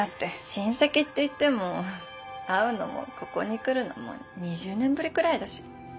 親戚って言っても会うのもここに来るのも２０年ぶりくらいだし。